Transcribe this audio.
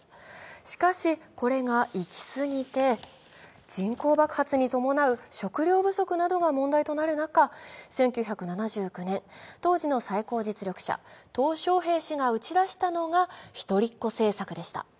しかし、これがいきすぎて、人口爆発に伴う食料不足などが問題となる中、１９７９年、当時の最高実力者・トウ小平氏が打ち出したのが一人っ子政策でした。